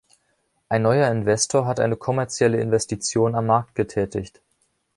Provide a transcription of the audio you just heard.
Ein neuer Investor hat eine kommerzielle Investition am Markt getätigt.